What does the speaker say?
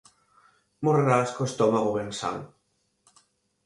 Morrerás co estómago ben san.